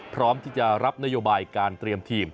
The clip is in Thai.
พร้อมที่จะรับนโยบายการเตรียมทีม